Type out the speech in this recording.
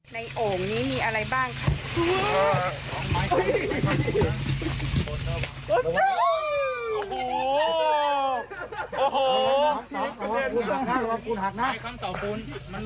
ในโอ่งนี้มีอะไรบ้างค่ะ